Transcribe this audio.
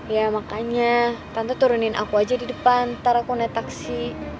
ya makanya tante turunin aku aja di depan ntar aku naik taksi